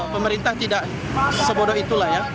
pemerintah tidak sebodoh itulah ya